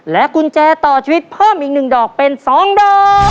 และกุญแจต่อชีวิตเพิ่มอีกหนึ่งดอกเป็นสองดอก